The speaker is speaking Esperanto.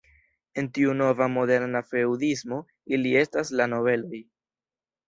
En tiu nova moderna feŭdismo ili estas la nobeloj.